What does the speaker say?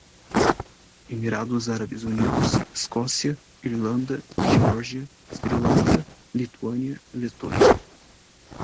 Emirados Árabes Unidos, Escócia, Irlanda, Geórgia, Sri Lanka, Lituânia, Letônia